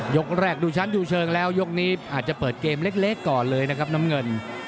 แรกดูชั้นดูเชิงแล้วยกนี้อาจจะเปิดเกมเล็กก่อนเลยนะครับน้ำเงิน